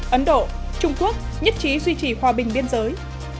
ấn độ trung quốc nhất trí duy trì hòa bình biên giới